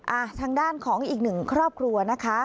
ทางด้านของอีกหนึ่งครอบครัวนะคะ